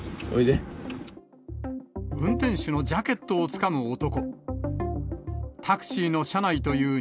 運転手のジャケットをつかむ男。